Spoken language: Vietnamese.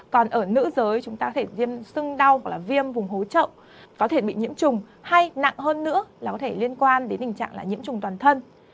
còn ở nữ giới chúng ta có thể viêm sưng đau hoặc là viêm vùng hố trậu có thể bị nhiễm trùng hay nặng hơn nữa là có thể liên quan đến tình trạng là nhiễm trùng toàn thân